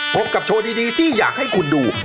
พบกับโชว์ดีที่อยากให้คุณดู